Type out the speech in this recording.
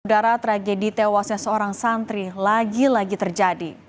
udara tragedi tewasnya seorang santri lagi lagi terjadi